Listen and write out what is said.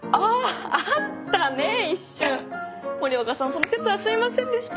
その節はすいませんでした。